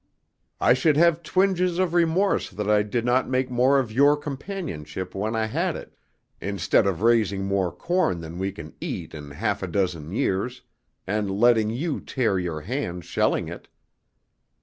I should have twinges of remorse that I did not make more of your companionship when I had it, instead of raising more corn than we can eat in half a dozen years, and letting you tear your hands shelling it."